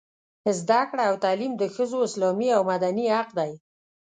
زده کړه او تعلیم د ښځو اسلامي او مدني حق دی.